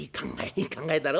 「いい考えだろ？